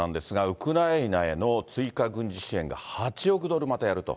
ウクライナへの追加軍事支援が８億ドルまたやると。